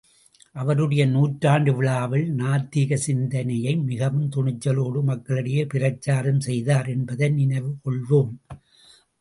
அவருடைய நூற்றாண்டு விழாவில் நாத்திக சிந்தனையை மிகவும் துணிச்சலோடு மக்களிடையே பிரச்சாரம் செய்தார் என்பதை நினைவு கொள்வோம்.